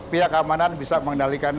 pihak amanan bisa mengendalikan